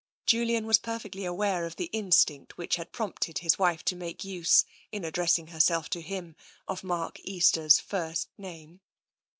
Julian was perfectly aware of the instinct which had prompted his wife to make use, in addressing her self to him, of Mark Easter's first name.